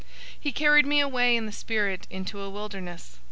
017:003 He carried me away in the Spirit into a wilderness.